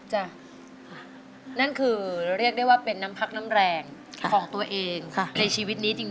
นั่นคือเรียกได้ว่าเป็นน้ำพักน้ำแรงของตัวเองในชีวิตนี้จริง